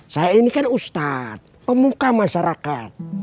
saya ini kan ustadz pemuka masyarakat